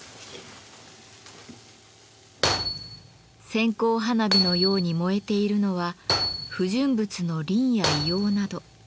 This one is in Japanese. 線香花火のように燃えているのは不純物のリンや硫黄など。